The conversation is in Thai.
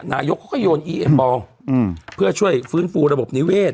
นายกเขาก็โยนอีเอ็มอลเพื่อช่วยฟื้นฟูระบบนิเวศ